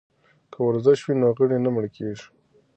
که ورزش وي نو غړي نه مړه کیږي.